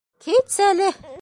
— Китсәле!